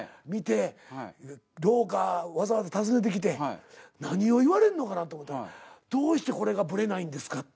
見て廊下わざわざ訪ねてきて何を言われんのかなと思ったら「どうしてこれがブレないんですか？」